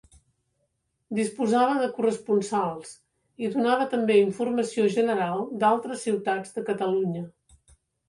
Disposava de corresponsals i donava també informació general d'altres ciutats de Catalunya.